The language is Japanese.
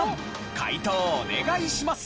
解答をお願いします！